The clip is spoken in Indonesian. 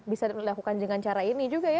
bisa dilakukan dengan cara ini juga ya